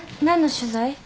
何の取材？